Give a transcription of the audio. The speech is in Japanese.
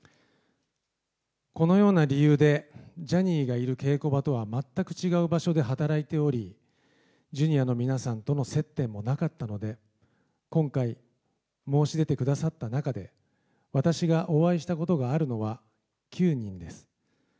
このような理由で、ジャニーがいる稽古場とは全く違う場所で働いており、ジュニアの皆さんとの接点もなかったので、今回、申し出てくださった中で、私がお会いしたことがあるのは９人です。